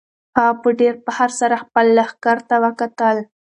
هغه په ډېر فخر سره خپل لښکر ته وکتل.